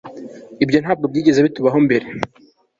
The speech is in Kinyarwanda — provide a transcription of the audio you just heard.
ibyo ntabwo byigeze bitubaho mbere